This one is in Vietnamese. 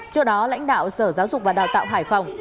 trước đó lãnh đạo sở giáo dục và đào tạo hải phòng